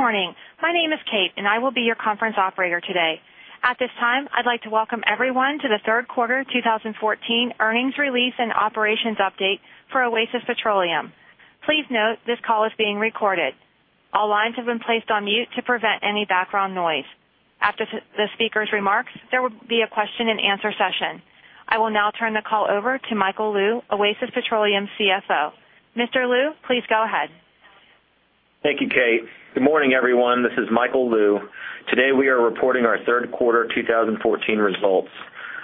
Morning. My name is Kate, and I will be your conference operator today. At this time, I'd like to welcome everyone to the third quarter 2014 earnings release and operations update for Oasis Petroleum. Please note this call is being recorded. All lines have been placed on mute to prevent any background noise. After the speaker's remarks, there will be a question and answer session. I will now turn the call over to Michael Lou, Oasis Petroleum CFO. Mr. Lou, please go ahead. Thank you, Kate. Good morning, everyone. This is Michael Lou. Today, we are reporting our third quarter 2014 results.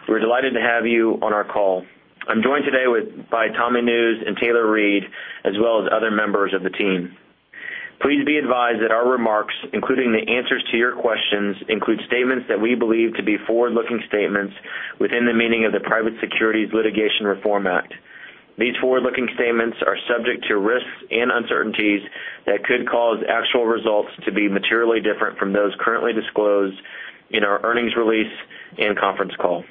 We're delighted to have you on our call. I'm joined today by Tommy Nusz and Taylor Reid, as well as other members of the team. Please be advised that our remarks, including the answers to your questions, include statements that we believe to be forward-looking statements within the meaning of the Private Securities Litigation Reform Act. These forward-looking statements are subject to risks and uncertainties that could cause actual results to be materially different from those currently disclosed in our earnings release and conference call.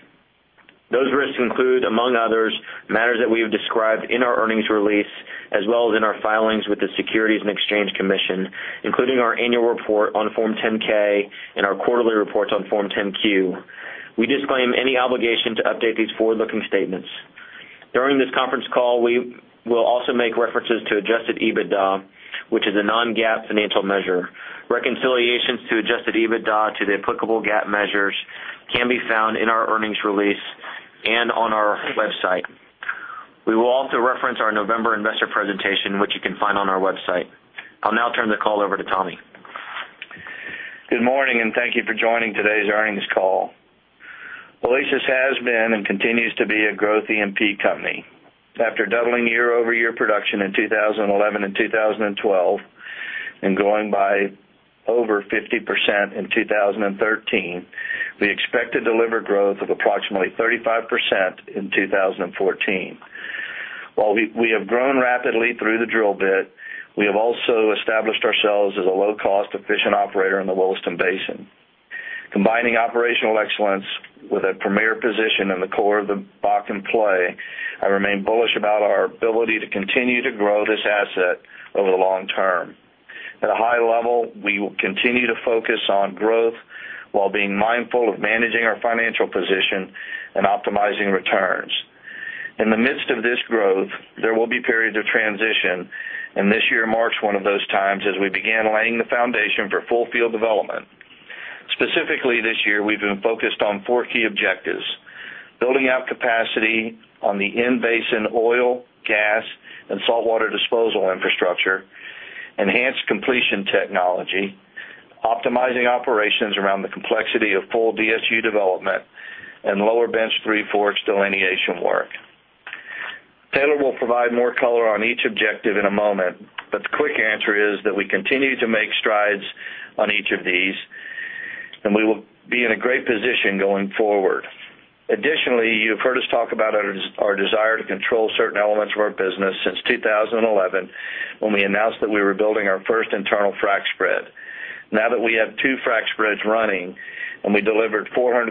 Those risks include, among others, matters that we have described in our earnings release as well as in our filings with the Securities and Exchange Commission, including our annual report on Form 10-K and our quarterly reports on Form 10-Q. We disclaim any obligation to update these forward-looking statements. During this conference call, we will also make references to adjusted EBITDA, which is a non-GAAP financial measure. Reconciliations to adjusted EBITDA to the applicable GAAP measures can be found in our earnings release and on our website. I'll now turn the call over to Tommy. Good morning, and thank you for joining today's earnings call. Oasis has been and continues to be a growth E&P company. After doubling year-over-year production in 2011 and 2012 and growing by over 50% in 2013, we expect to deliver growth of approximately 35% in 2014. While we have grown rapidly through the drill bit, we have also established ourselves as a low-cost, efficient operator in the Williston Basin. Combining operational excellence with a premier position in the core of the Bakken play, I remain bullish about our ability to continue to grow this asset over the long term. At a high level, we will continue to focus on growth while being mindful of managing our financial position and optimizing returns. In the midst of this growth, there will be periods of transition, and this year marks one of those times as we began laying the foundation for full field development. Specifically, this year, we've been focused on four key objectives: building out capacity on the in-basin oil, gas, and saltwater disposal infrastructure, enhanced completion technology, optimizing operations around the complexity of full DSU development, and Lower Bench Three Forks delineation work. Taylor will provide more color on each objective in a moment, but the quick answer is that we continue to make strides on each of these, and we will be in a great position going forward. Additionally, you've heard us talk about our desire to control certain elements of our business since 2011, when we announced that we were building our first internal frac spread. Now that we have two frac spreads running, and we delivered $400,000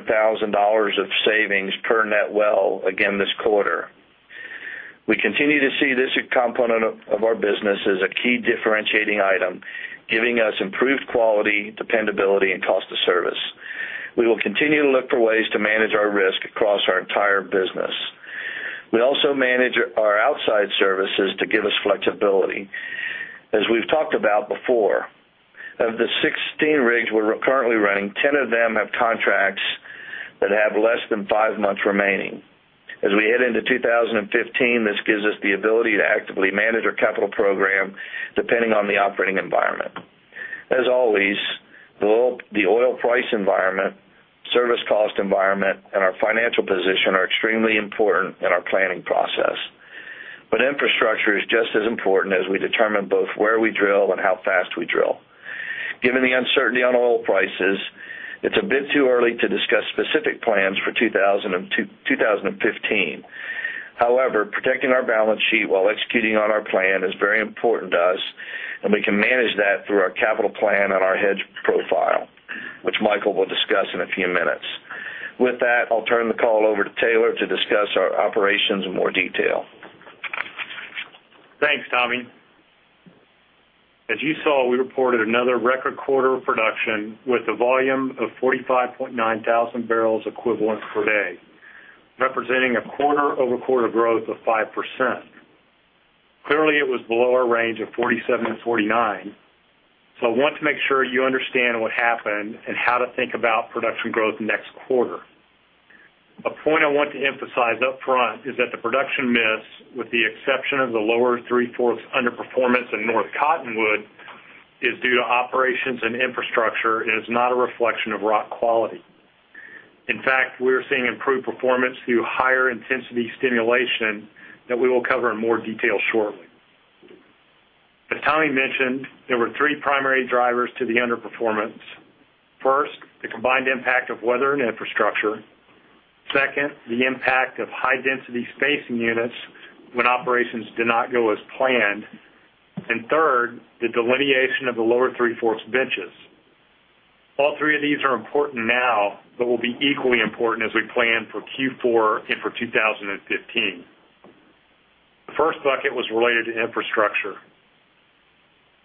of savings per net well again this quarter, we continue to see this component of our business as a key differentiating item, giving us improved quality, dependability, and cost of service. We will continue to look for ways to manage our risk across our entire business. We also manage our outside services to give us flexibility. As we've talked about before, of the 16 rigs we're currently running, 10 of them have contracts that have less than five months remaining. As we head into 2015, this gives us the ability to actively manage our capital program depending on the operating environment. As always, the oil price environment, service cost environment, and our financial position are extremely important in our planning process. Infrastructure is just as important as we determine both where we drill and how fast we drill. Given the uncertainty on oil prices, it's a bit too early to discuss specific plans for 2015. However, protecting our balance sheet while executing on our plan is very important to us, and we can manage that through our capital plan and our hedge profile, which Michael will discuss in a few minutes. With that, I'll turn the call over to Taylor to discuss our operations in more detail. Thanks, Tommy. As you saw, we reported another record quarter of production with a volume of 45.9 thousand barrels equivalent per day, representing a quarter-over-quarter growth of 5%. Clearly, it was below our range of 47-49, so I want to make sure you understand what happened and how to think about production growth next quarter. A point I want to emphasize up front is that the production miss, with the exception of the Lower Three Forks underperformance in North Cottonwood, is due to operations and infrastructure and is not a reflection of rock quality. In fact, we're seeing improved performance through higher intensity stimulation that we will cover in more detail shortly. As Tommy mentioned, there were three primary drivers to the underperformance. First, the combined impact of weather and infrastructure. Second, the impact of high-density spacing units when operations did not go as planned. Third, the delineation of the Lower Three Forks benches. All three of these are important now, but will be equally important as we plan for Q4 and for 2015. The first bucket was related to infrastructure.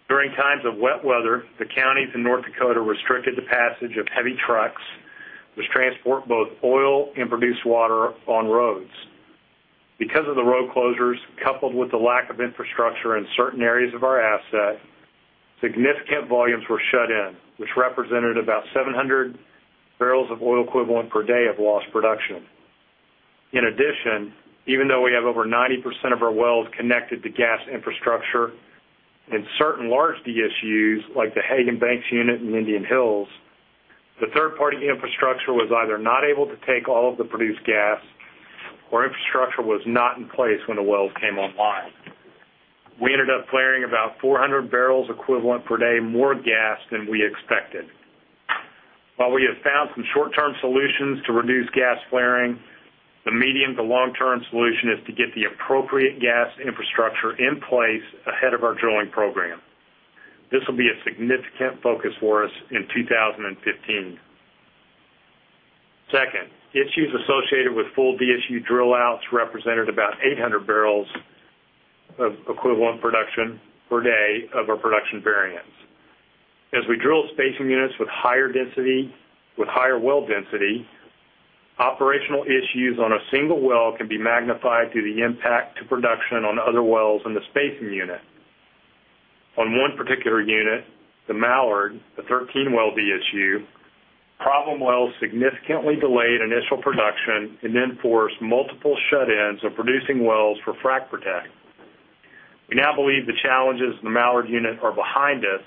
During times of wet weather, the counties in North Dakota restricted the passage of heavy trucks, which transport both oil and produced water on roads. Because of the road closures, coupled with the lack of infrastructure in certain areas of our asset, significant volumes were shut in, which represented about 700 barrels of oil equivalent per day of lost production. In addition, even though we have over 90% of our wells connected to gas infrastructure, in certain large DSUs, like the Hagen Banks unit in Indian Hills, the third-party infrastructure was either not able to take all of the produced gas or infrastructure was not in place when the wells came online. We ended up flaring about 400 barrels equivalent per day more gas than we expected. While we have found some short-term solutions to reduce gas flaring, the medium to long-term solution is to get the appropriate gas infrastructure in place ahead of our drilling program. This will be a significant focus for us in 2015. Second, issues associated with full DSU drill outs represented about 800 barrels of equivalent production per day of our production variance. As we drill spacing units with higher well density, operational issues on a single well can be magnified through the impact to production on other wells in the spacing unit. On one particular unit, the Mallard, the 13-well DSU, problem wells significantly delayed initial production and then forced multiple shut-ins of producing wells for frac protect. We now believe the challenges in the Mallard unit are behind us,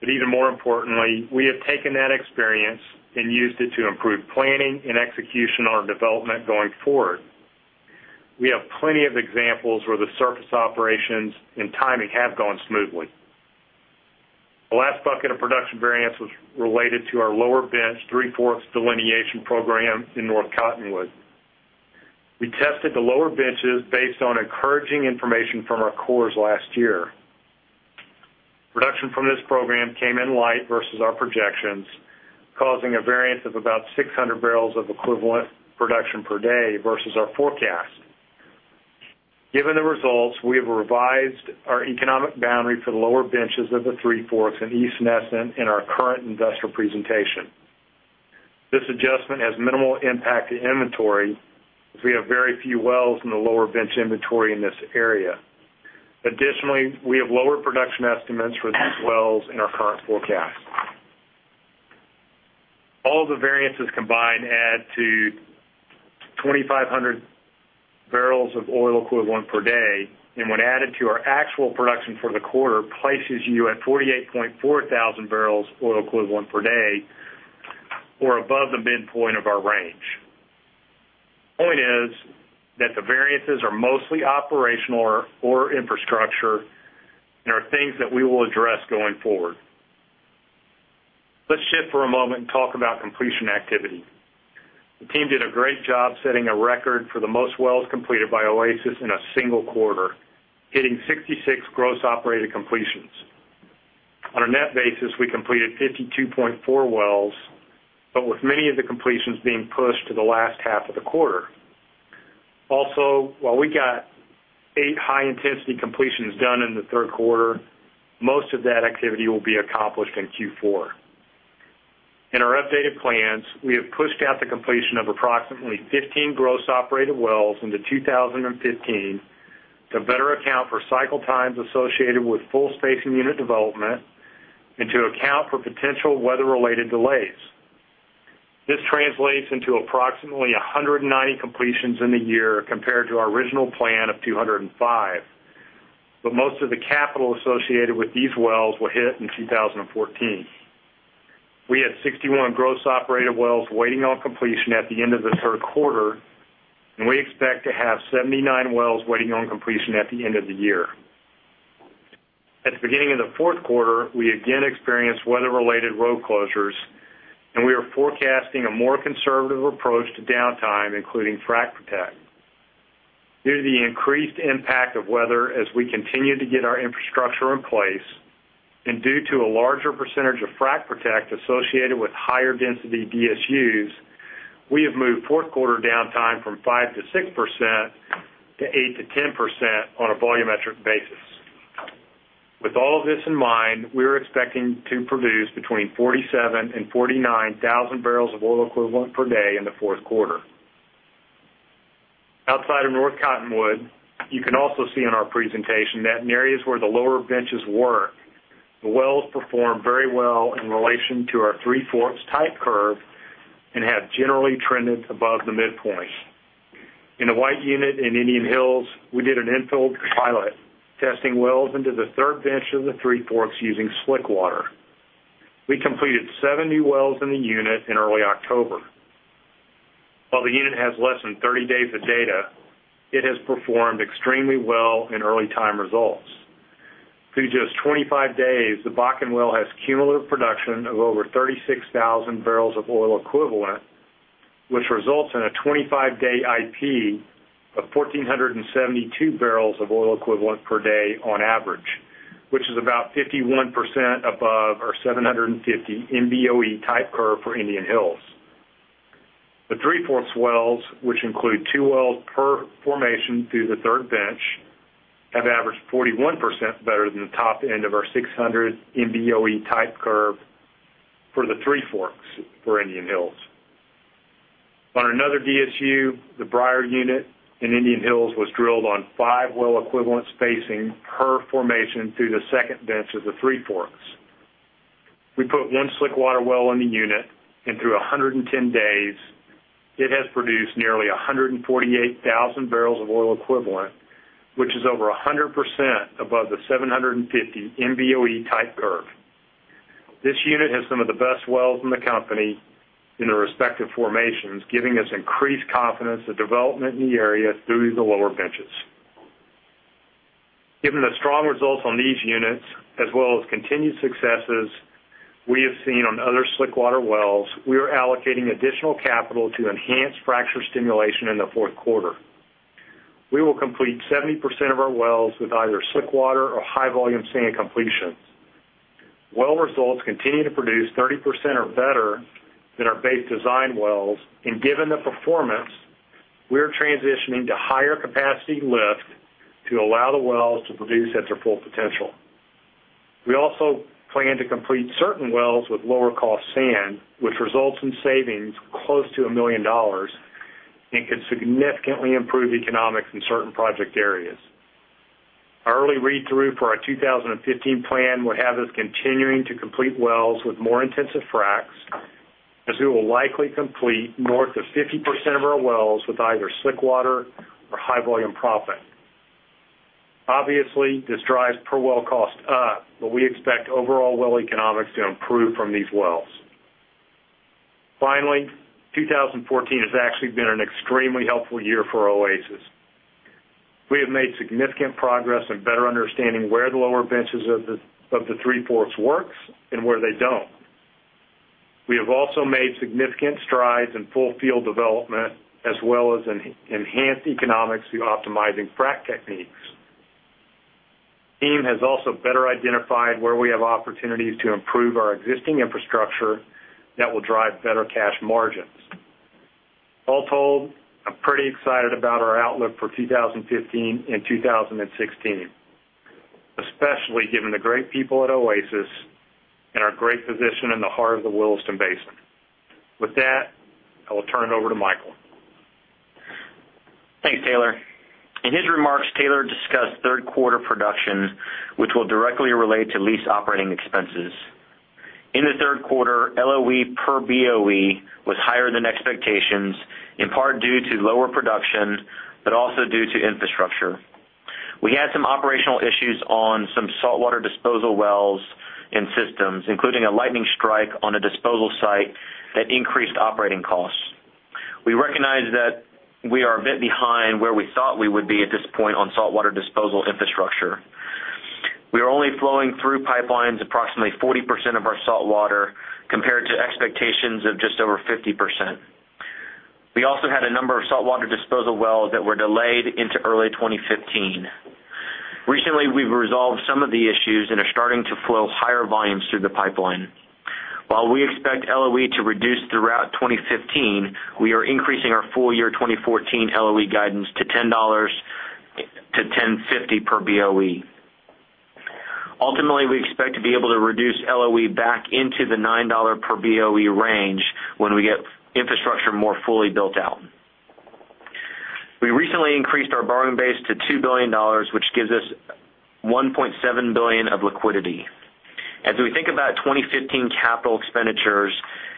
but even more importantly, we have taken that experience and used it to improve planning and execution on our development going forward. We have plenty of examples where the surface operations and timing have gone smoothly. The last bucket of production variance was related to our lower bench Three Forks delineation program in North Cottonwood. We tested the lower benches based on encouraging information from our cores last year. Production from this program came in light versus our projections, causing a variance of about 600 barrels of equivalent production per day versus our forecast. Given the results, we have revised our economic boundary for the lower benches of the Three Forks and East Nesson in our current investor presentation. This adjustment has minimal impact to inventory, as we have very few wells in the lower bench inventory in this area. Additionally, we have lower production estimates for these wells in our current forecast. All the variances combined add to 2,500 barrels of oil equivalent per day, and when added to our actual production for the quarter, places you at 48.4 thousand barrels oil equivalent per day or above the midpoint of our range. Point is that the variances are mostly operational or infrastructure, and are things that we will address going forward. Let's shift for a moment and talk about completion activity. The team did a great job setting a record for the most wells completed by Oasis in a single quarter, hitting 66 gross operated completions. On a net basis, we completed 52.4 wells, with many of the completions being pushed to the last half of the quarter. Also, while we got eight high intensity completions done in the third quarter, most of that activity will be accomplished in Q4. In our updated plans, we have pushed out the completion of approximately 15 gross operated wells into 2015 to better account for cycle times associated with full spacing unit development and to account for potential weather related delays. This translates into approximately 190 completions in the year compared to our original plan of 205. Most of the capital associated with these wells were hit in 2014. We had 61 gross operated wells waiting on completion at the end of the third quarter, and we expect to have 79 wells waiting on completion at the end of the year. At the beginning of the fourth quarter, we again experienced weather related road closures, and we are forecasting a more conservative approach to downtime, including frac protect. Due to the increased impact of weather as we continue to get our infrastructure in place, and due to a larger percentage of frac protect associated with higher density DSUs, we have moved fourth quarter downtime from 5%-6% to 8%-10% on a volumetric basis. With all of this in mind, we're expecting to produce between 47,000 and 49,000 BOE per day in the fourth quarter. Outside of North Cottonwood, you can also see in our presentation that in areas where the lower benches work, the wells perform very well in relation to our Three Forks type curve and have generally trended above the midpoint. In the White Unit in Indian Hills, we did an infill pilot testing wells into the third bench of the Three Forks using slickwater. We completed seven new wells in the unit in early October. While the unit has less than 30 days of data, it has performed extremely well in early time results. Through just 25 days, the Bakken well has cumulative production of over 36,000 BOE, which results in a 25-day IP of 1,472 BOE per day on average, which is about 51% above our 750 MBOE type curve for Indian Hills. The Three Forks wells, which include two wells per formation through the third bench, have averaged 41% better than the top end of our 600 MBOE type curve for the Three Forks for Indian Hills. On another DSU, the Brier unit in Indian Hills was drilled on five well equivalents spacing per formation through the second bench of the Three Forks. We put one slickwater well in the unit, and through 110 days, it has produced nearly 148,000 BOE, which is over 100% above the 750 MBOE type curve. This unit has some of the best wells in the company in the respective formations, giving us increased confidence of development in the area through the lower benches. Given the strong results on these units, as well as continued successes we have seen on other slickwater wells, we are allocating additional capital to enhance fracture stimulation in the fourth quarter. We will complete 70% of our wells with either slickwater or high-volume sand completions. Well results continue to produce 30% or better than our base design wells. Given the performance, we're transitioning to higher capacity lift to allow the wells to produce at their full potential. We also plan to complete certain wells with lower cost sand, which results in savings close to $1 million and can significantly improve economics in certain project areas. Our early read-through for our 2015 plan will have us continuing to complete wells with more intensive fracs as we will likely complete north of 50% of our wells with either slickwater or high-volume proppant. Obviously, this drives per well cost up. We expect overall well economics to improve from these wells. Finally, 2014 has actually been an extremely helpful year for Oasis. We have made significant progress in better understanding where the lower benches of the Three Forks works and where they don't. Thanks, Taylor. We have also made significant strides in full field development as well as enhanced economics through optimizing frac techniques. Team has also better identified where we have opportunities to improve our existing infrastructure that will drive better cash margins. All told, I'm pretty excited about our outlook for 2015 and 2016, especially given the great people at Oasis and our great position in the heart of the Williston Basin. With that, I will turn it over to Michael. Thanks, Taylor. In his remarks, Taylor discussed third quarter production, which will directly relate to lease operating expenses. In the third quarter, LOE per BOE was higher than expectations, in part due to lower production, but also due to infrastructure. We had some operational issues on some saltwater disposal wells and systems, including a lightning strike on a disposal site that increased operating costs. We recognize that we are a bit behind where we thought we would be at this point on saltwater disposal infrastructure. We are only flowing through pipelines approximately 40% of our saltwater, compared to expectations of just over 50%. We also had a number of saltwater disposal wells that were delayed into early 2015. Recently, we've resolved some of the issues and are starting to flow higher volumes through the pipeline. While we expect LOE to reduce throughout 2015, we are increasing our full year 2014 LOE guidance to $10-$10.50 per BOE. Ultimately, we expect to be able to reduce LOE back into the $9 per BOE range when we get infrastructure more fully built out. We recently increased our borrowing base to $2 billion, which gives us $1.7 billion of liquidity. As we think about 2015 capital expenditures,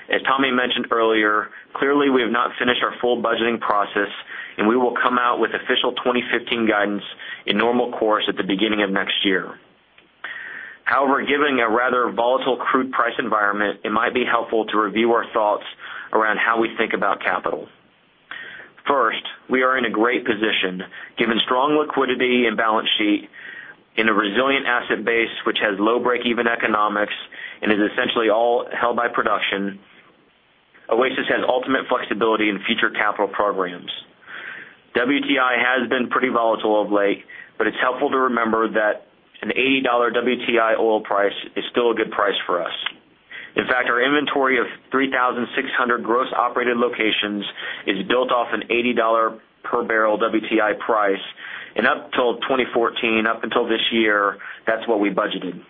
as Tommy mentioned earlier, clearly we have not finished our full budgeting process. We will come out with official 2015 guidance in normal course at the beginning of next year. Given a rather volatile crude price environment, it might be helpful to review our thoughts around how we think about capital. First, we are in a great position. Given strong liquidity and balance sheet in a resilient asset base which has low breakeven economics and is essentially all held by production, Oasis has ultimate flexibility in future capital programs. WTI has been pretty volatile of late, it's helpful to remember that an $80 WTI oil price is still a good price for us. In fact, our inventory of 3,600 gross operated locations is built off an $80 per barrel WTI price, and up till 2014, up until this year, that's what we budgeted.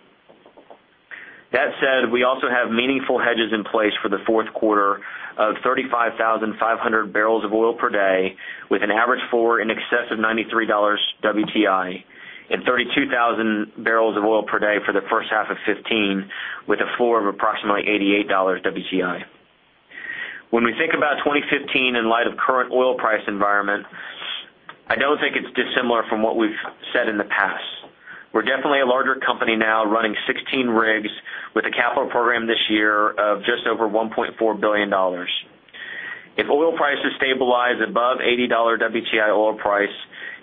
That said, we also have meaningful hedges in place for the fourth quarter of 35,500 barrels of oil per day, with an average floor in excess of $93 WTI and 32,000 barrels of oil per day for the first half of 2015, with a floor of approximately $88 WTI. When we think about 2015 in light of current oil price environment, I don't think it's dissimilar from what we've said in the past. We're definitely a larger company now, running 16 rigs with a capital program this year of just over $1.4 billion. If oil prices stabilize above $80 WTI oil price,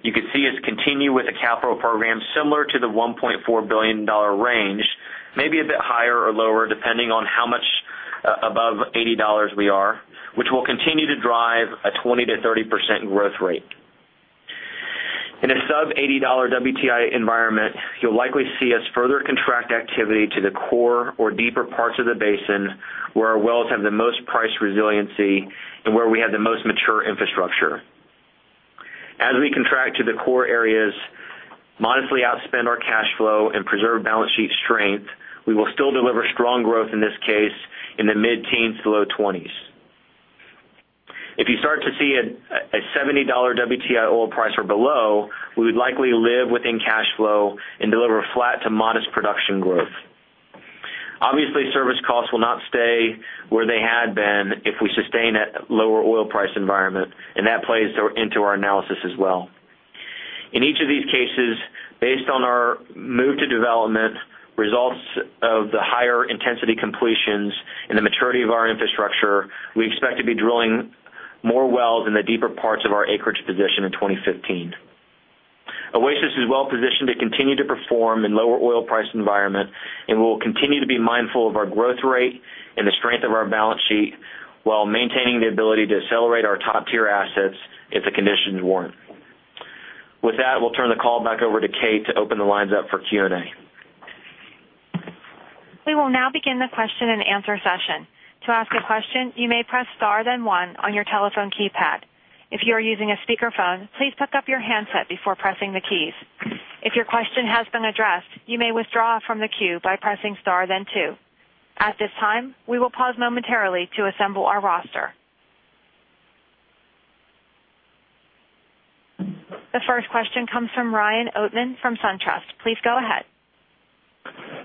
you could see us continue with a capital program similar to the $1.4 billion range, maybe a bit higher or lower, depending on how much above $80 we are, which will continue to drive a 20%-30% growth rate. In a sub-$80 WTI environment, you'll likely see us further contract activity to the core or deeper parts of the basin, where our wells have the most price resiliency and where we have the most mature infrastructure. As we contract to the core areas, modestly outspend our cash flow, and preserve balance sheet strength, we will still deliver strong growth, in this case, in the mid-teens to low 20s. If you start to see a $70 WTI oil price or below, we would likely live within cash flow and deliver flat to modest production growth. Obviously, service costs will not stay where they had been if we sustain that lower oil price environment, and that plays into our analysis as well. In each of these cases, based on our move to development, results of the higher intensity completions, and the maturity of our infrastructure, we expect to be drilling more wells in the deeper parts of our acreage position in 2015. Oasis is well positioned to continue to perform in lower oil price environment, we'll continue to be mindful of our growth rate and the strength of our balance sheet while maintaining the ability to accelerate our top-tier assets if the conditions warrant. With that, we'll turn the call back over to Kate to open the lines up for Q&A. We will now begin the question and answer session. To ask a question, you may press star then one on your telephone keypad. If you are using a speakerphone, please pick up your handset before pressing the keys. If your question has been addressed, you may withdraw from the queue by pressing star then two. At this time, we will pause momentarily to assemble our roster. The first question comes from Ryan Oatman from SunTrust. Please go ahead.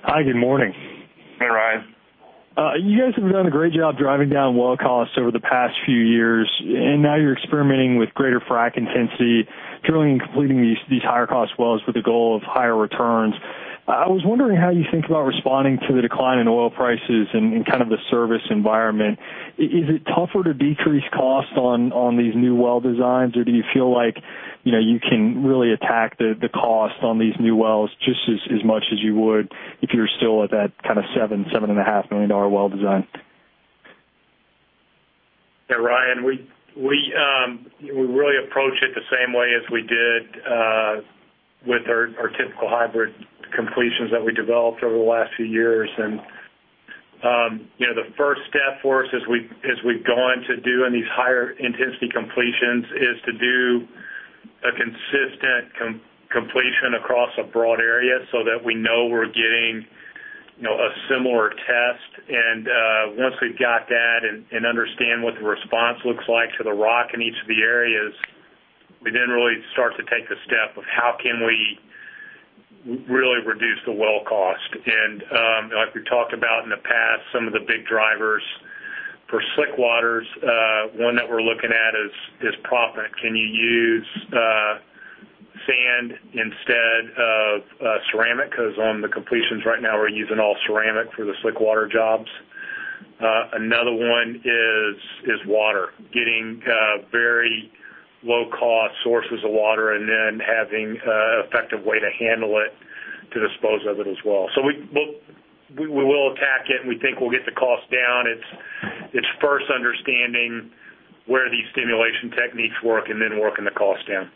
Hi. Good morning. Hey, Ryan. You guys have done a great job driving down well costs over the past few years, and now you're experimenting with greater frac intensity, drilling, completing these higher cost wells with the goal of higher returns. I was wondering how you think about responding to the decline in oil prices and the service environment. Is it tougher to decrease costs on these new well designs, or do you feel like you can really attack the cost on these new wells just as much as you would if you're still at that kind of seven and a half million dollar well design? Ryan, we really approach it the same way as we did with our typical hybrid completions that we developed over the last few years. The first step for us as we've gone to doing these higher intensity completions is to do a consistent completion across a broad area so that we know we're getting a similar test. Once we've got that and understand what the response looks like for the rock in each of the areas, we then really start to take the step of how can we really reduce the well cost. Like we've talked about in the past, some of the big drivers for slickwater, one that we're looking at is proppant. Can you use sand instead of ceramic? Because on the completions right now, we're using all ceramic for the slickwater jobs. Another one is water, getting very low-cost sources of water and then having an effective way to handle it to dispose of it as well. We will attack it, and we think we'll get the cost down. It's first understanding where these stimulation techniques work and then working the cost down.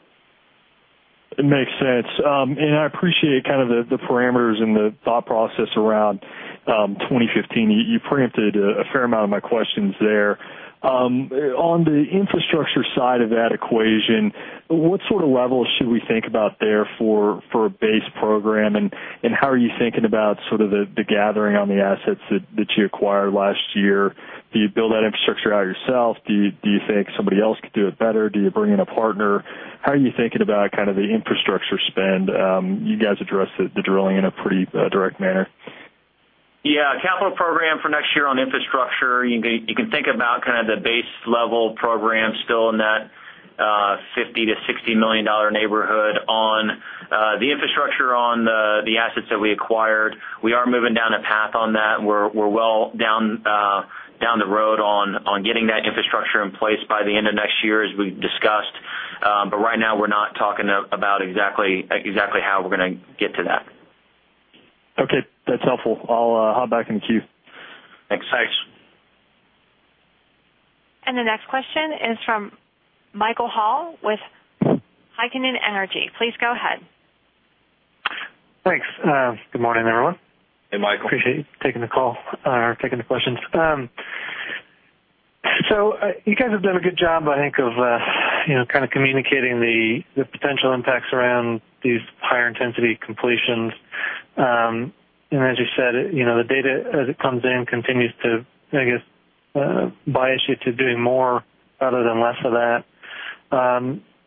It makes sense. I appreciate the parameters and the thought process around 2015. You preempted a fair amount of my questions there. On the infrastructure side of that equation, what sort of levels should we think about there for a base program, and how are you thinking about the gathering on the assets that you acquired last year? Do you build that infrastructure out yourself? Do you think somebody else could do it better? Do you bring in a partner? How are you thinking about the infrastructure spend? You guys addressed the drilling in a pretty direct manner. Yeah. Capital program for next year on infrastructure, you can think about the base level program still in that $50 million-$60 million neighborhood. On the infrastructure on the assets that we acquired, we are moving down a path on that, we're well down the road on getting that infrastructure in place by the end of next year, as we've discussed. Right now, we're not talking about exactly how we're going to get to that. Okay. That's helpful. I'll hop back in the queue. Thanks. Thanks. The next question is from Michael Hall with Heikkinen Energy Advisors. Please go ahead. Thanks. Good morning, everyone. Hey, Michael. Appreciate you taking the call or taking the questions. You guys have done a good job, I think, of communicating the potential impacts around these higher intensity completions. As you said, the data as it comes in continues to, I guess, bias you to doing more rather than less of that.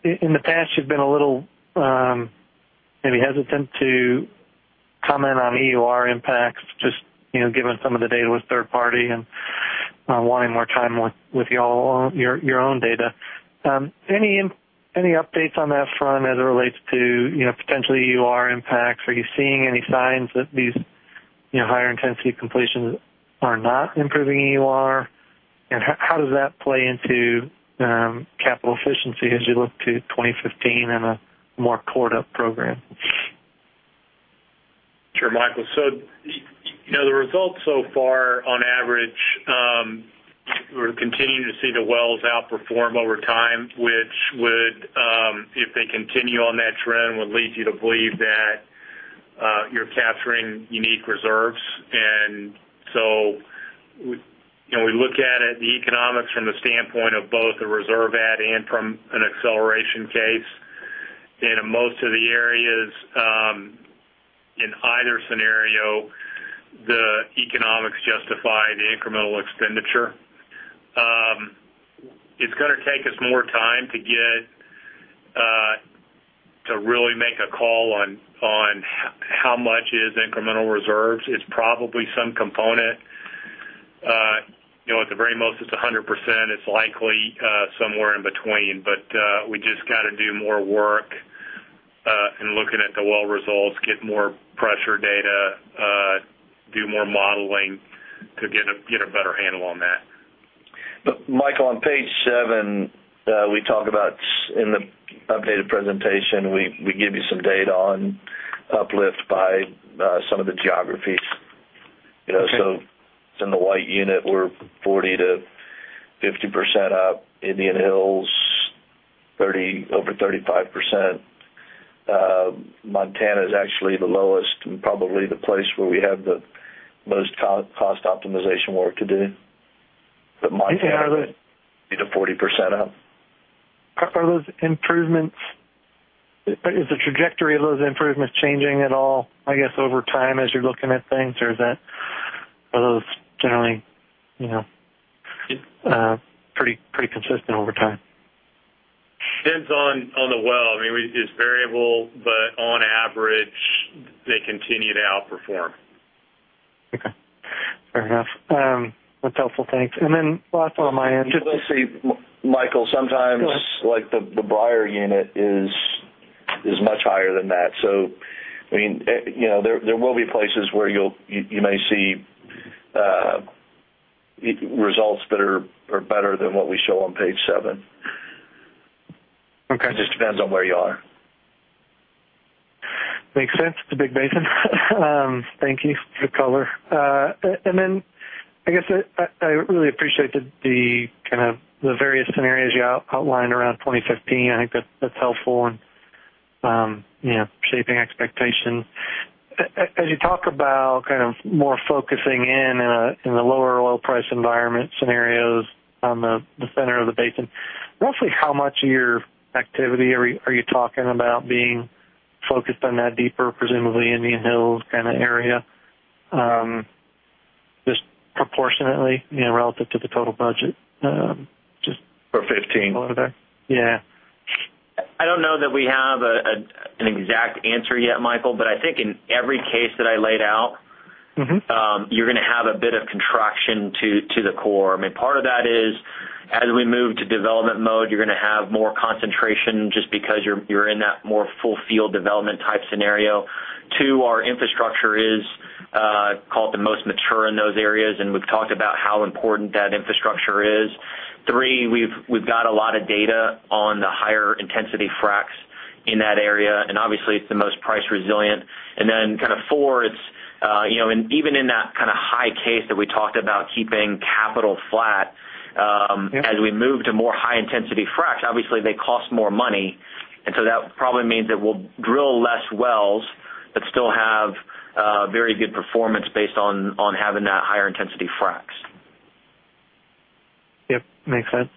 In the past, you've been a little maybe hesitant to comment on EUR impacts, just given some of the data with third party and wanting more time with your own data. Any updates on that front as it relates to potential EUR impacts? Are you seeing any signs that these higher intensity completions are not improving EUR? How does that play into capital efficiency as you look to 2015 and a more cored up program? Sure, Michael. The results so far on average, we're continuing to see the wells outperform over time, which would, if they continue on that trend, would lead you to believe that you're capturing unique reserves. We look at it, the economics, from the standpoint of both the reserve add and from an acceleration case. In most of the areas, in either scenario, the economics justify the incremental expenditure. It's going to take us more time to really make a call on how much is incremental reserves. It's probably some component. At the very most, it's 100%. It's likely somewhere in between. We just got to do more work in looking at the well results, get more pressure data, do more modeling to get a better handle on that. Michael, on page seven, we talk about in the updated presentation, we give you some data on uplift by some of the geographies. Okay. It's in the White Unit, we're 40%-50% up. Indian Hills, over 35%. Montana is actually the lowest and probably the place where we have the most cost optimization work to do. Montana would be the 40% up. Are those improvements? Is the trajectory of those improvements changing at all, I guess, over time as you're looking at things? Are those generally pretty consistent over time? Depends on the well. It's variable, but on average, they continue to outperform. Okay. Fair enough. That's helpful. Thanks. Then last one on my end. You will see, Michael. Go ahead the Brier unit is much higher than that. There will be places where you may see results that are better than what we show on page seven. Okay. It just depends on where you are. Makes sense. It's a big basin. Thank you for the color. I guess I really appreciate the various scenarios you outlined around 2015. I think that's helpful in shaping expectations. As you talk about more focusing in a lower oil price environment scenarios on the center of the basin, roughly how much of your activity are you talking about being focused on that deeper, presumably Indian Hills kind of area? Just proportionately, relative to the total budget? For 2015? Yeah. I don't know that we have an exact answer yet, Michael, but I think in every case that I laid out. you're going to have a bit of contraction to the core. Part of that is as we move to development mode, you're going to have more concentration just because you're in that more full field development type scenario. Two, our infrastructure is called the most mature in those areas, and we've talked about how important that infrastructure is. Three, we've got a lot of data on the higher intensity fracs in that area, and obviously it's the most price resilient. Then four, even in that high case that we talked about keeping CapEx flat. Yeah as we move to more high intensity fracs, obviously they cost more money, so that probably means that we'll drill less wells but still have very good performance based on having that higher intensity fracs. Yep, makes sense.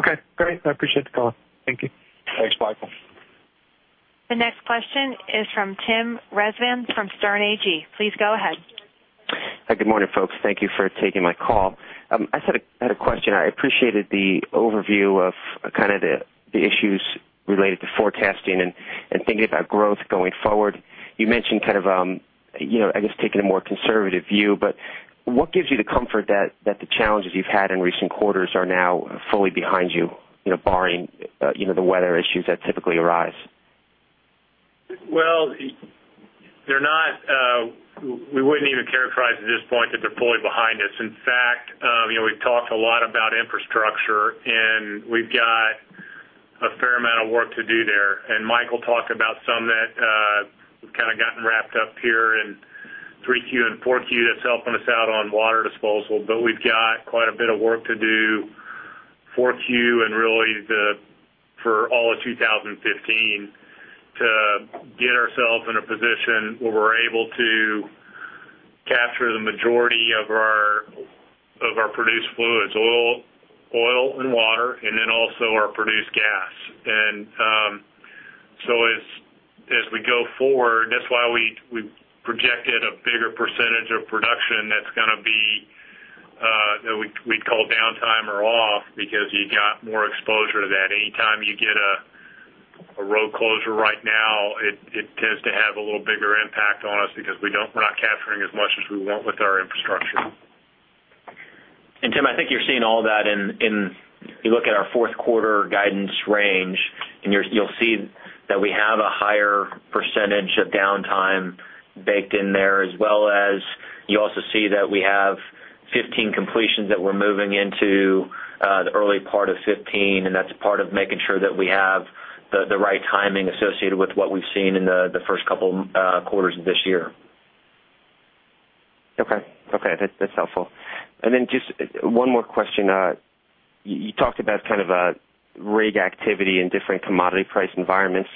Okay, great. I appreciate the call. Thank you. Thanks, Michael. The next question is from Tim Rezvan from Sterne Agee. Please go ahead. Hi, good morning, folks. Thank you for taking my call. I had a question. I appreciated the overview of the issues related to forecasting and thinking about growth going forward. You mentioned, I guess taking a more conservative view, what gives you the comfort that the challenges you've had in recent quarters are now fully behind you, barring the weather issues that typically arise? Well, we wouldn't even characterize at this point that they're fully behind us. In fact, we've talked a lot about infrastructure, and we've got a fair amount of work to do there, and Mike will talk about some that we've gotten wrapped up here in Q3 and Q4 that's helping us out on water disposal. We've got quite a bit of work to do Q4 and really for all of 2015 to get ourselves in a position where we're able to capture the majority of our produced fluids, oil and water, and then also our produced gas. As we go forward, that's why we projected a bigger percentage of production that we'd call downtime or off because you got more exposure to that. Anytime you get a road closure right now, it tends to have a little bigger impact on us because we're not capturing as much as we want with our infrastructure. Tim, I think you're seeing all that in You look at our fourth quarter guidance range, and you'll see that we have a higher percentage of downtime baked in there, as well as you also see that we have 15 completions that we're moving into the early part of 2015, and that's part of making sure that we have the right timing associated with what we've seen in the first couple quarters of this year. Okay. That's helpful. Then just one more question. You talked about kind of rig activity in different commodity price environments.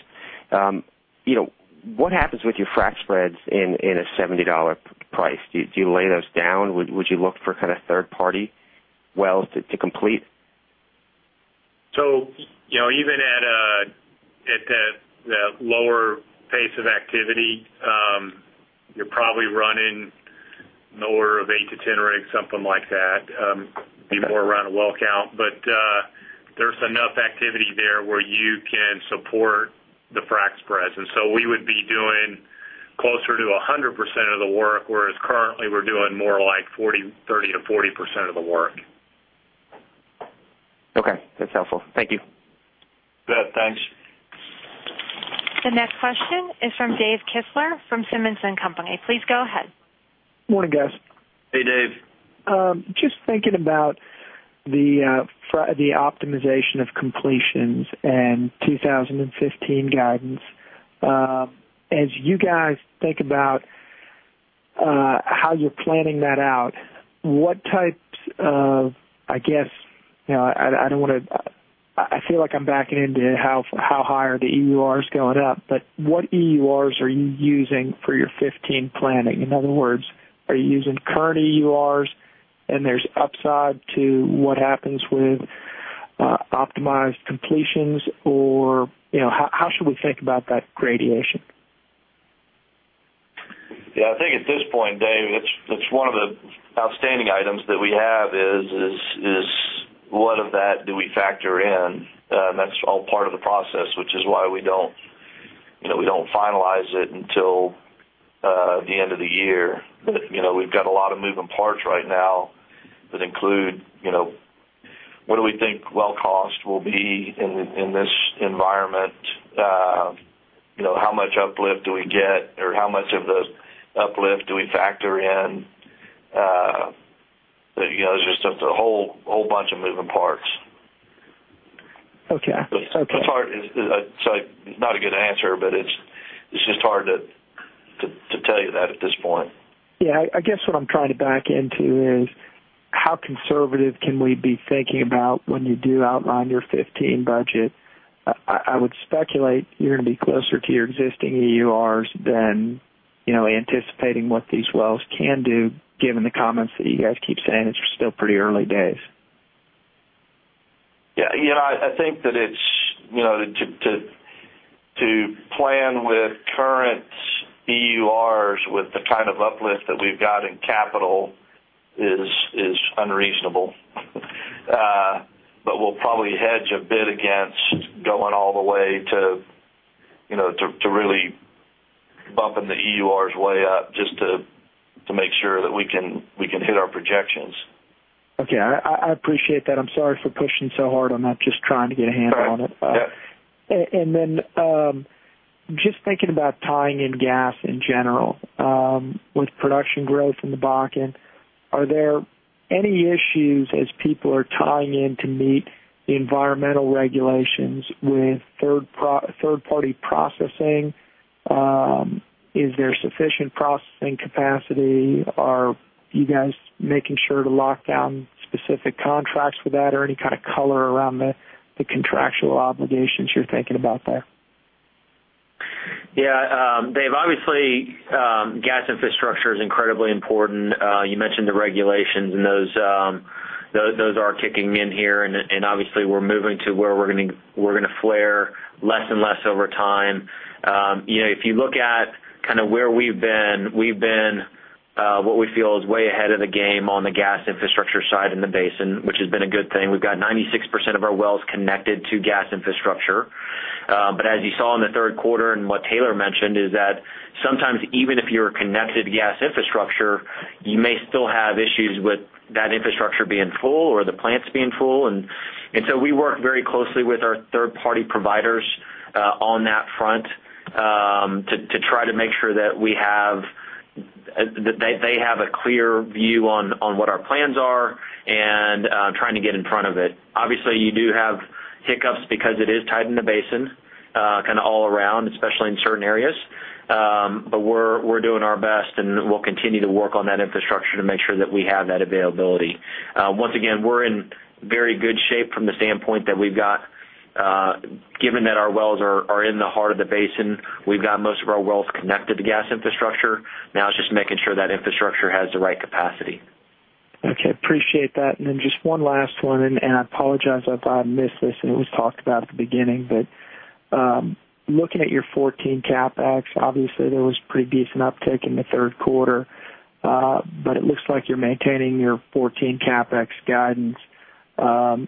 What happens with your frac spreads in a $70 price? Do you lay those down? Would you look for kind of third-party wells to complete? Even at the lower pace of activity, you're probably running in the order of 8 to 10 rigs, something like that. Be more around a well count. There's enough activity there where you can support the frac spreads. We would be doing closer to 100% of the work, whereas currently we're doing more like 30% to 40% of the work. Okay. That's helpful. Thank you. Yeah, thanks. The next question is from David Kistler from Simmons & Company. Please go ahead. Morning, guys. Hey, Dave. Just thinking about the optimization of completions and 2015 guidance. As you guys think about how you're planning that out, what types of I feel like I'm backing into how high are the EURs going up, but what EURs are you using for your 2015 planning? In other words, are you using current EURs and there's upside to what happens with optimized completions, or how should we think about that gradation? Yeah, I think at this point, Dave, it's one of the outstanding items that we have is what of that do we factor in? That's all part of the process, which is why we don't finalize it until the end of the year. We've got a lot of moving parts right now that include what do we think well cost will be in this environment? How much uplift do we get, or how much of the uplift do we factor in? There's just a whole bunch of moving parts. Okay. It's not a good answer, it's just hard to tell you that at this point. I guess what I'm trying to back into is how conservative can we be thinking about when you do outline your 2015 budget? I would speculate you're going to be closer to your existing EURs than anticipating what these wells can do, given the comments that you guys keep saying it's still pretty early days. I think that to plan with current EURs with the kind of uplift that we've got in capital is unreasonable. We'll probably hedge a bit against going all the way to really bumping the EURs way up just to make sure that we can hit our projections. I appreciate that. I'm sorry for pushing so hard on that, just trying to get a handle on it. It's all right. Yeah. Just thinking about tying in gas in general with production growth in the Bakken, are there any issues as people are tying in to meet the environmental regulations with third-party processing? Is there sufficient processing capacity? Are you guys making sure to lock down specific contracts for that or any kind of color around the contractual obligations you're thinking about there? Yeah. Dave, obviously, gas infrastructure is incredibly important. You mentioned the regulations, and those are kicking in here, and obviously, we're moving to where we're going to flare less and less over time. If you look at where we've been, we've been what we feel is way ahead of the game on the gas infrastructure side in the basin, which has been a good thing. We've got 96% of our wells connected to gas infrastructure. As you saw in the third quarter and what Taylor mentioned, is that sometimes even if you're connected to gas infrastructure, you may still have issues with that infrastructure being full or the plants being full. We work very closely with our third-party providers on that front to try to make sure that they have a clear view on what our plans are and trying to get in front of it. Obviously, you do have hiccups because it is tight in the basin all around, especially in certain areas. We're doing our best, and we'll continue to work on that infrastructure to make sure that we have that availability. Once again, we're in very good shape from the standpoint that given that our wells are in the heart of the basin, we've got most of our wells connected to gas infrastructure. Now it's just making sure that infrastructure has the right capacity. Okay. Appreciate that. Just one last one, and I apologize if I missed this, and it was talked about at the beginning, looking at your 2014 CapEx, obviously there was pretty decent uptick in the third quarter. It looks like you're maintaining your 2014 CapEx guidance.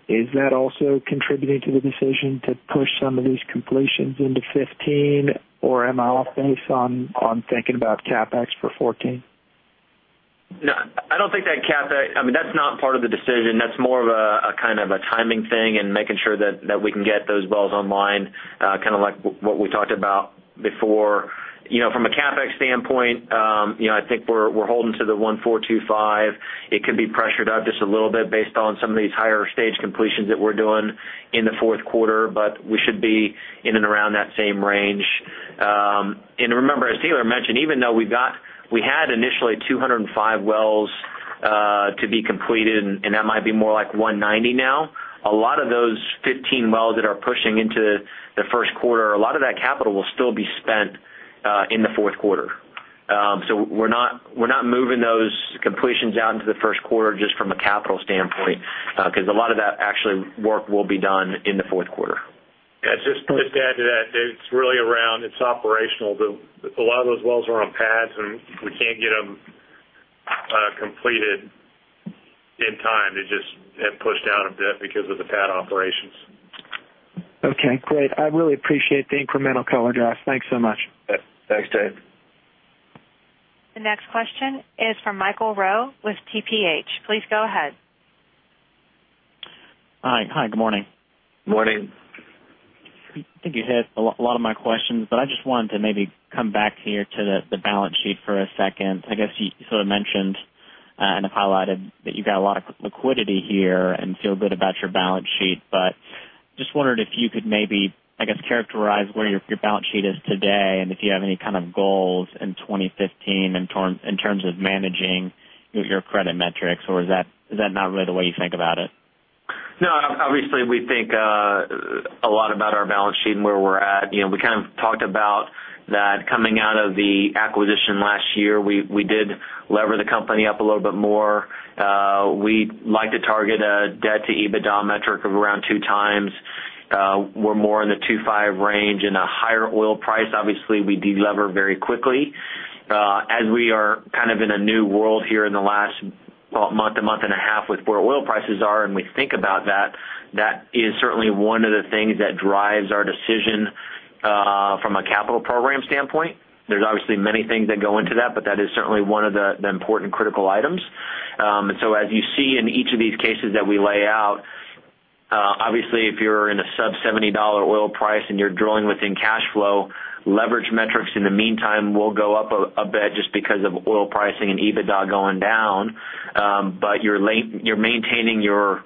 Is that also contributing to the decision to push some of these completions into 2015? Am I off base on thinking about CapEx for 2014? No, that's not part of the decision. That's more of a timing thing and making sure that we can get those wells online, like what we talked about before. From a CapEx standpoint, I think we're holding to the $1,425. It could be pressured up just a little bit based on some of these higher-stage completions that we're doing in the fourth quarter, but we should be in and around that same range. Remember, as Taylor mentioned, even though we had initially 205 wells to be completed, and that might be more like 190 now, a lot of those 15 wells that are pushing into the first quarter, a lot of that capital will still be spent in the fourth quarter. We're not moving those completions out into the first quarter just from a capital standpoint, because a lot of that actual work will be done in the fourth quarter. Yeah, just to add to that, it's really around, it's operational. A lot of those wells are on pads, and we can't get them completed in time. They just get pushed out a bit because of the pad operations. Okay, great. I really appreciate the incremental color, Josh. Thanks so much. Thanks, Dave. The next question is from Michael Rowe with TPH. Please go ahead. Hi, good morning. Morning. I think you hit a lot of my questions. I just wanted to maybe come back here to the balance sheet for a second. I guess you sort of mentioned and have highlighted that you got a lot of liquidity here and feel good about your balance sheet. I just wondered if you could maybe, I guess, characterize where your balance sheet is today and if you have any kind of goals in 2015 in terms of managing your credit metrics, or is that not really the way you think about it? No. Obviously, we think a lot about our balance sheet and where we're at. We kind of talked about that coming out of the acquisition last year, we did lever the company up a little bit more. We like to target a debt-to-EBITDA metric of around two times. We're more in the two-five range. In a higher oil price, obviously, we delever very quickly. As we are kind of in a new world here in the last month, a month and a half with where oil prices are, we think about that is certainly one of the things that drives our decision from a capital program standpoint. There's obviously many things that go into that. That is certainly one of the important critical items. As you see in each of these cases that we lay out, obviously if you're in a sub-$70 oil price and you're drilling within cash flow, leverage metrics in the meantime will go up a bit just because of oil pricing and EBITDA going down. You're maintaining your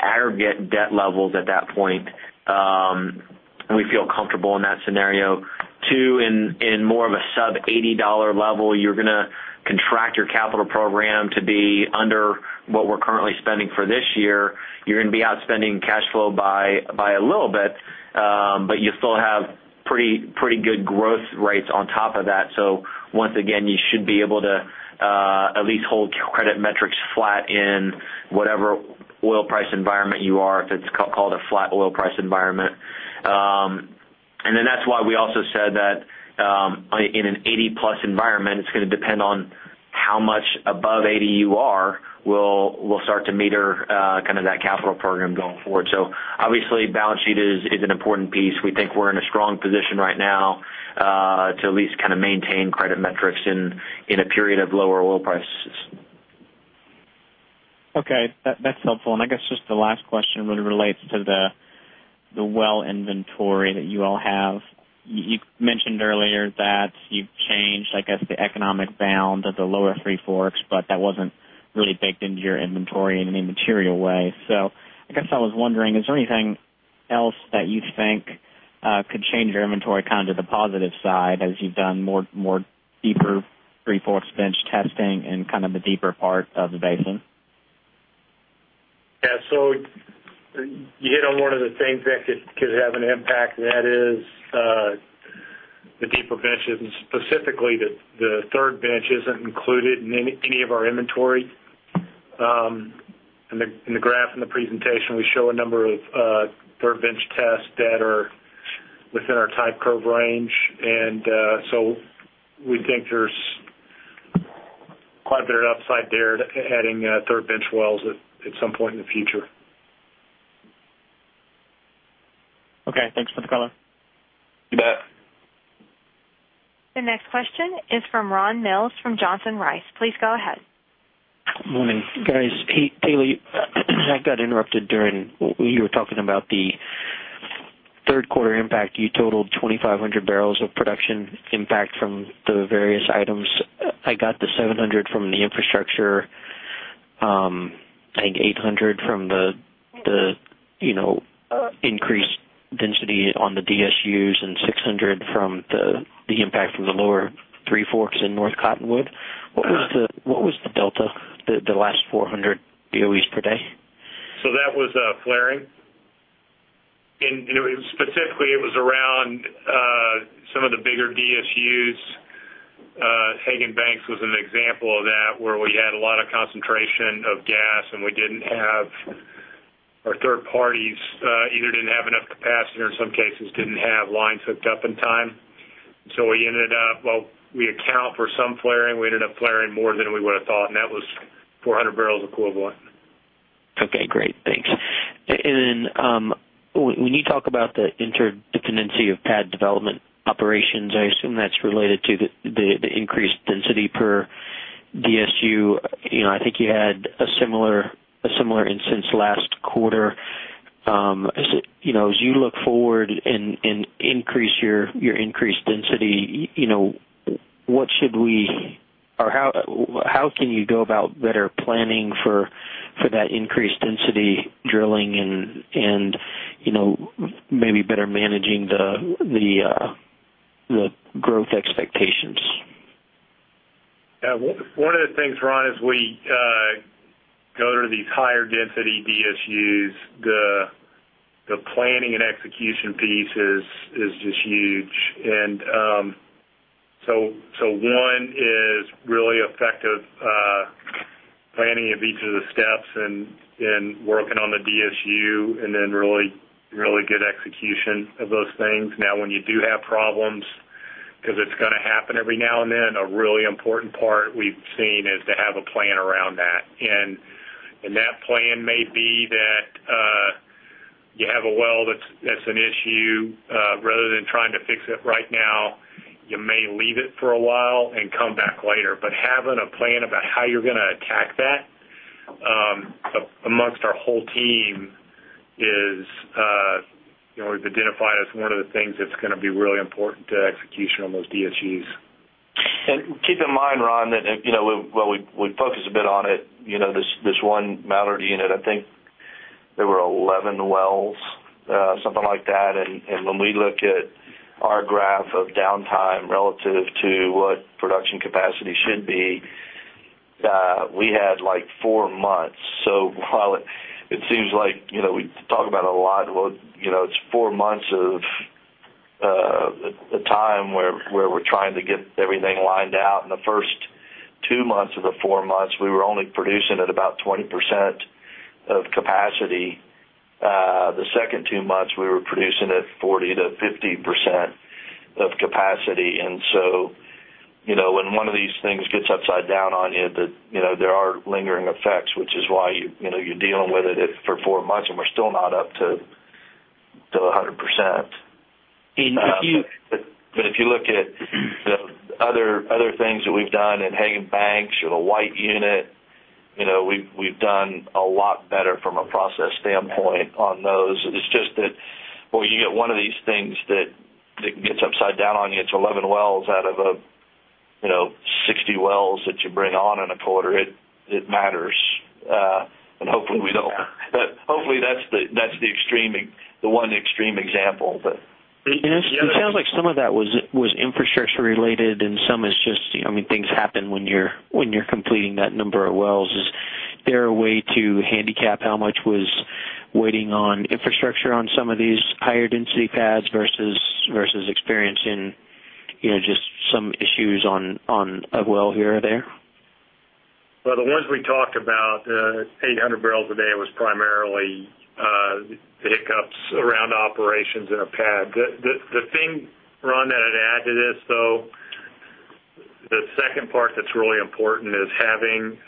aggregate debt levels at that point. We feel comfortable in that scenario. 2, in more of a sub-$80 level, you're going to contract your capital program to be under what we're currently spending for this year. You're going to be outspending cash flow by a little bit. You still have pretty good growth rates on top of that. Once again, you should be able to at least hold credit metrics flat in whatever oil price environment you are, if it's called a flat oil price environment. That's why we also said that in an 80-plus environment, it's going to depend on how much above 80 you are. We'll start to meter that capital program going forward. Obviously, balance sheet is an important piece. We think we're in a strong position right now to at least maintain credit metrics in a period of lower oil prices. Okay. That's helpful. I guess just the last question really relates to the well inventory that you all have. You mentioned earlier that you've changed, I guess, the economic bound of the lower Three Forks, but that wasn't really baked into your inventory in any material way. I guess I was wondering, is there anything else that you think could change your inventory to the positive side as you've done more deeper Three Forks bench testing in the deeper part of the basin? Yeah. You hit on one of the things that could have an impact, and that is the deeper benches, and specifically the third bench isn't included in any of our inventory. In the graph in the presentation, we show a number of third bench tests that are within our type curve range. We think there's quite a bit of upside there adding third bench wells at some point in the future. Okay. Thanks for the color. You bet. The next question is from Ron Mills from Johnson Rice. Please go ahead. Morning, guys. Hey, Taylor, I got interrupted during when you were talking about the third quarter impact. You totaled 2,500 barrels of production impact from the various items. I got the 700 from the infrastructure, I think 800 from the increased density on the DSUs, and 600 from the impact from the lower Three Forks in North Cottonwood. What was the delta, the last 400 BOEs per day? That was flaring. Specifically, it was around some of the bigger DSUs. Hagen Banks was an example of that, where we had a lot of concentration of gas, we didn't have our third parties, either didn't have enough capacity or in some cases didn't have lines hooked up in time. We ended up, well, we account for some flaring. We ended up flaring more than we would've thought, that was 400 barrels equivalent. Okay, great. Thanks. When you talk about the interdependency of pad development operations, I assume that's related to the increased density per DSU, I think you had a similar instance last quarter. As you look forward and increase your increased density, how can you go about better planning for that increased density drilling and maybe better managing the growth expectations? Yeah. One of the things, Ron, as we go to these higher density DSUs, the planning and execution piece is just huge. One is really effective planning of each of the steps and working on the DSU, then really good execution of those things. Now, when you do have problems, because it's going to happen every now and then, a really important part we've seen is to have a plan around that. That plan may be that you have a well that's an issue. Rather than trying to fix it right now, you may leave it for a while and come back later. Having a plan about how you're going to attack that amongst our whole team is, we've identified as one of the things that's going to be really important to execution on those DSUs. Keep in mind, Ron, that while we focus a bit on it, this one Mallard unit, I think there were 11 wells, something like that. When we look at our graph of downtime relative to what production capacity should be, we had four months. While it seems like we talk about it a lot, it's four months of the time where we're trying to get everything lined out. In the first two months of the four months, we were only producing at about 20% of capacity. The second two months, we were producing at 40%-50% of capacity. When one of these things gets upside down on you, there are lingering effects, which is why you're dealing with it for four months, and we're still not up to 100%. If you- If you look at the other things that we've done in Hagen Banks or the White unit, we've done a lot better from a process standpoint on those. It's just that when you get one of these things that gets upside down on you, it's 11 wells out of 60 wells that you bring on in a quarter, it matters. Hopefully that's the one extreme example. It sounds like some of that was infrastructure related and some is just, things happen when you're completing that number of wells. Is there a way to handicap how much was waiting on infrastructure on some of these higher density pads versus experience in just some issues on a well here or there? Well, the ones we talked about, 800 barrels a day, was primarily hiccups around operations in a pad. The thing, Ron, that I'd add to this, though, the second part that's really important is having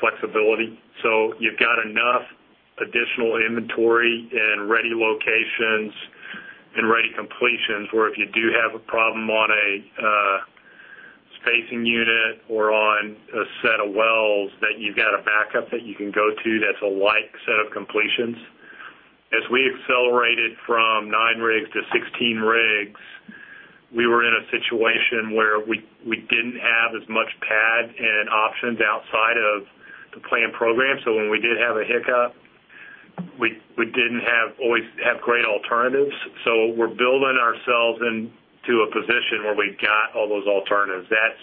flexibility. You've got enough additional inventory and ready locations and ready completions where if you do have a problem on a spacing unit or on a set of wells, that you've got a backup that you can go to that's a like set of completions. As we accelerated from nine rigs to 16 rigs, we were in a situation where we didn't have as much pad and options outside of the planned program. When we did have a hiccup, we didn't always have great alternatives. We're building ourselves into a position where we've got all those alternatives. That's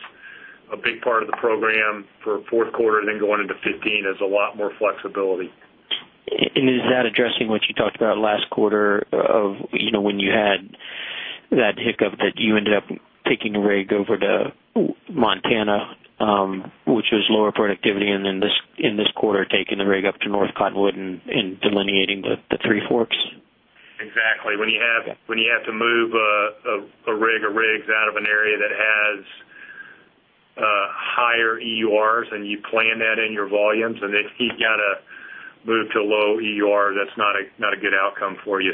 a big part of the program for fourth quarter, then going into 2015 is a lot more flexibility. Is that addressing what you talked about last quarter of when you had that hiccup that you ended up taking a rig over to Montana, which was lower productivity, and then in this quarter, taking the rig up to North Cottonwood and delineating the Three Forks? Exactly. When you have to move a rig or rigs out of an area that has higher EURs and you plan that in your volumes, if you got to move to low EUR, that's not a good outcome for you.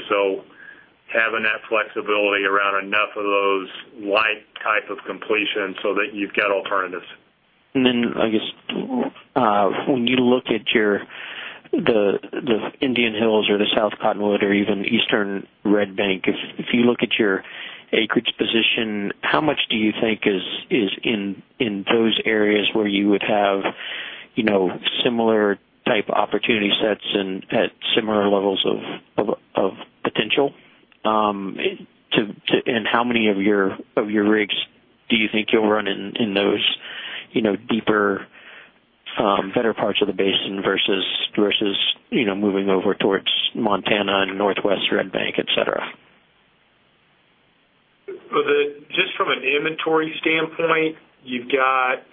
Having that flexibility around enough of those like type of completion so that you've got alternatives. I guess, when you look at the Indian Hills or the South Cottonwood or even Eastern Red Bank, if you look at your acreage position, how much do you think is in those areas where you would have similar type opportunity sets and at similar levels of potential? How many of your rigs do you think you'll run in those deeper, better parts of the basin versus moving over towards Montana and Northwest Red Bank, et cetera? Just from an inventory standpoint, you've got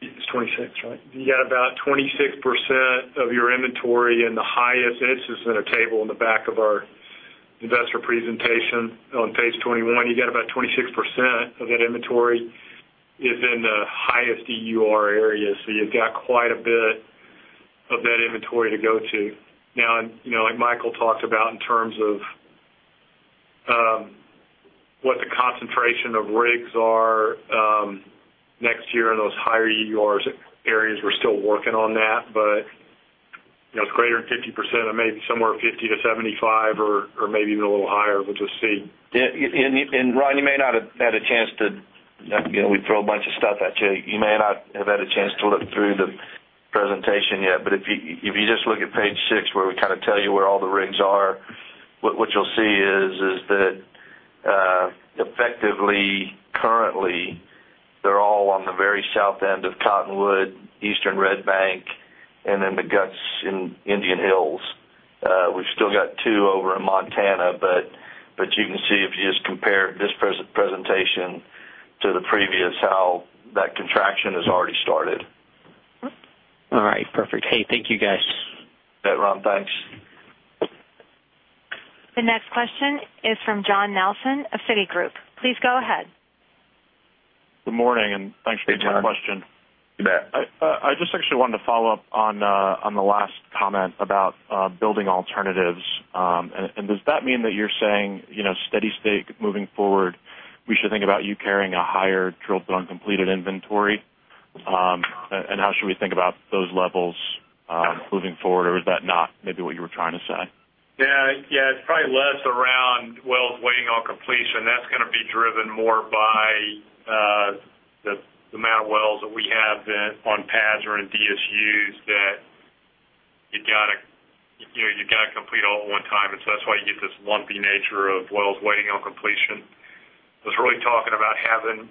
about 26% of your inventory in the highest, and this is in a table in the back of our investor presentation on page 21. You get about 26% of that inventory is in the highest EUR area. You've got quite a bit of that inventory to go to. Now, like Michael talked about in terms of what the concentration of rigs are next year in those higher EUR areas, we're still working on that, but it's greater than 50%. Maybe somewhere 50%-75% or maybe even a little higher. We'll just see. Yeah. Ron, we throw a bunch of stuff at you. You may not have had a chance to look through the presentation yet, if you just look at page six where we tell you where all the rigs are, what you'll see is that effectively, currently, they're all on the very south end of Cottonwood, Eastern Red Bank, and the Guts in Indian Hills. We've still got two over in Montana, you can see if you just compare this presentation to the previous, how that contraction has already started. All right. Perfect. Hey, thank you, guys. Okay, Ron. Thanks. The next question is from John Nelson of Citigroup. Please go ahead. Good morning. Thanks for taking the question. Hey, John. You bet. I just actually wanted to follow up on the last comment about building alternatives. Does that mean that you're saying steady state moving forward, we should think about you carrying a higher drilled but uncompleted inventory? How should we think about those levels moving forward? Is that not maybe what you were trying to say? Yeah. It's probably less around wells waiting on completion. That's going to be driven more by the amount of wells that we have on pads or in DSUs that you've got to complete all at one time. That's why you get this lumpy nature of wells waiting on completion. I was really talking about having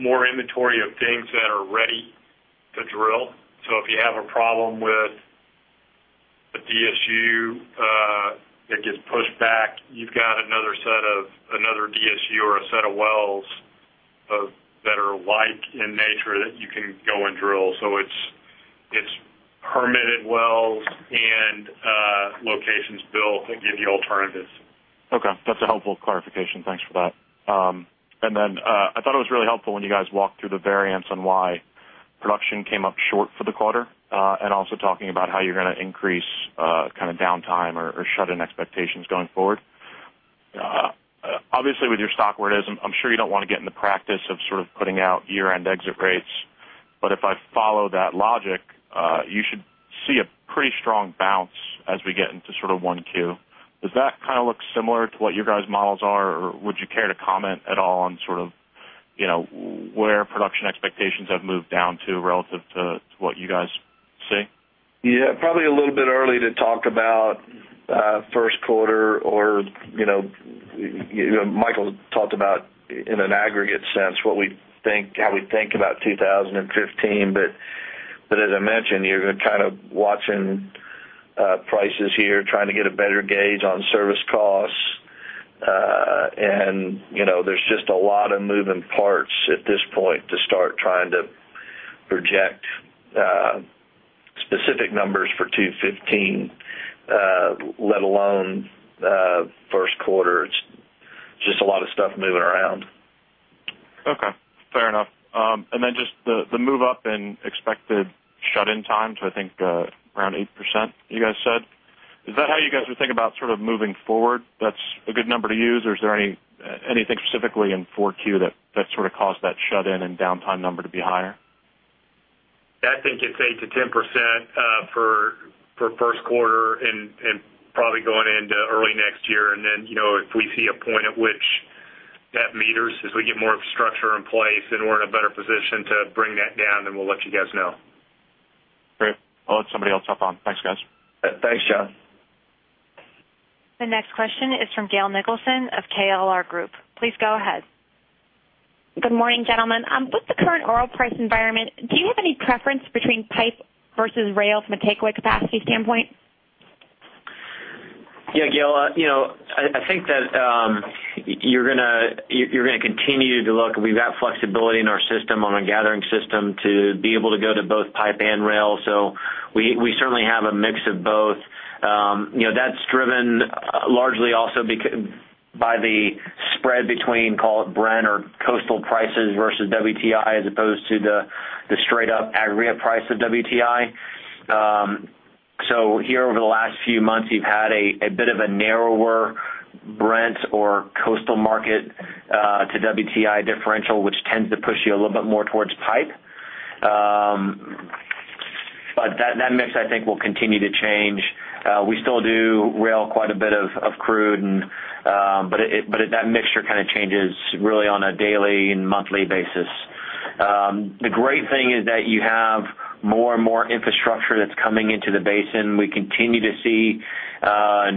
more inventory of things that are ready to drill. If you have a problem with a DSU that gets pushed back, you've got another DSU or a set of wells that are alike in nature that you can go and drill. It's permitted wells and locations built that give you alternatives. Okay. That's a helpful clarification. Thanks for that. I thought it was really helpful when you guys walked through the variance on why production came up short for the quarter, and also talking about how you're going to increase downtime or shut-in expectations going forward. Obviously, with your stock where it is, I'm sure you don't want to get in the practice of putting out year-end exit rates. If I follow that logic, you should see a pretty strong bounce as we get into 1Q. Does that look similar to what your guys' models are, or would you care to comment at all on where production expectations have moved down to relative to what you guys see? Yeah. Probably a little bit early to talk about first quarter, or Michael talked about, in an aggregate sense, how we think about 2015. As I mentioned, you're watching prices here, trying to get a better gauge on service costs. There's just a lot of moving parts at this point to start trying to project specific numbers for 2015, let alone first quarter. It's just a lot of stuff moving around. Okay. Fair enough. Then just the move up in expected shut-in time to, I think, around 8%, you guys said. Is that how you guys would think about moving forward? That's a good number to use, or is there anything specifically in 4Q that caused that shut-in and downtime number to be higher? I think it's 8%-10% for first quarter and probably going into early next year. Then, if we see a point at which that meters as we get more structure in place, and we're in a better position to bring that down, we'll let you guys know. Great. I'll let somebody else hop on. Thanks, guys. Thanks, John. The next question is from Gail Nicholson of KLR Group. Please go ahead. Good morning, gentlemen. With the current oil price environment, do you have any preference between pipe versus rail from a takeaway capacity standpoint? Yeah, Gail. I think that you're going to continue to look. We've got flexibility in our system on a gathering system to be able to go to both pipe and rail. We certainly have a mix of both. That's driven largely also by the spread between, call it Brent or coastal prices versus WTI as opposed to the straight up aggregate price of WTI. Here over the last few months, you've had a bit of a narrower Brent or coastal market to WTI differential, which tends to push you a little bit more towards pipe. That mix, I think will continue to change. We still do rail quite a bit of crude, but that mixture changes really on a daily and monthly basis. The great thing is that you have more and more infrastructure that's coming into the basin. We continue to see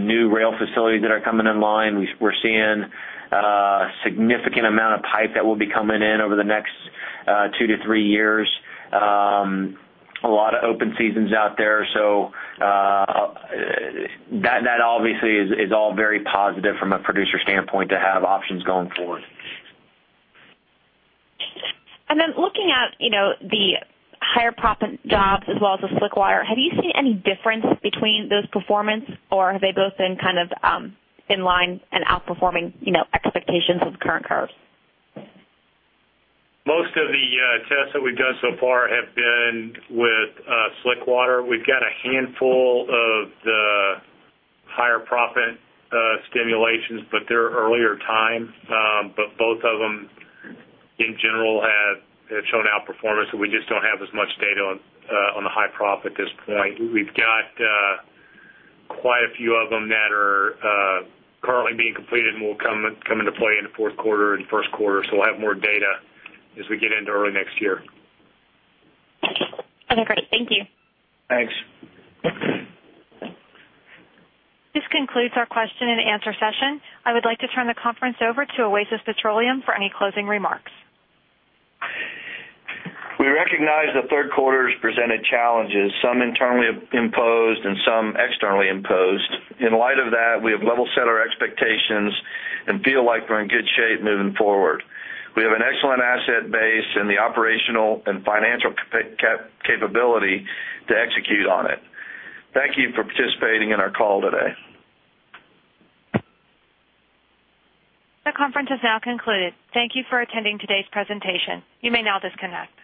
new rail facilities that are coming online. We're seeing a significant amount of pipe that will be coming in over the next two to three years. A lot of open seasons out there. That obviously is all very positive from a producer standpoint to have options going forward. Looking at the higher proppant jobs as well as the slickwater, have you seen any difference between those performance, or have they both been in line and outperforming expectations with current curves? Most of the tests that we've done so far have been with slickwater. We've got a handful of the higher proppant stimulations, but they're earlier time. Both of them, in general, have shown outperformance, so we just don't have as much data on the high prop at this point. We've got quite a few of them that are currently being completed and will come into play in the fourth quarter and first quarter, so we'll have more data as we get into early next year. Okay, great. Thank you. Thanks. This concludes our question and answer session. I would like to turn the conference over to Oasis Petroleum for any closing remarks. We recognize the third quarter's presented challenges, some internally imposed and some externally imposed. In light of that, we have level set our expectations and feel like we're in good shape moving forward. We have an excellent asset base and the operational and financial capability to execute on it. Thank you for participating in our call today. The conference has now concluded. Thank you for attending today's presentation. You may now disconnect.